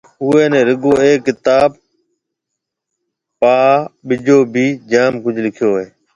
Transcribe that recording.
اُوئي نِي رُگو اَي ڪتآب پآ ٻِجو ڀِي جآم ڪجه لِکيو هيَ۔